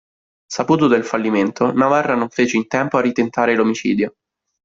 Saputo del fallimento, Navarra non fece in tempo a ritentare l'omicidio.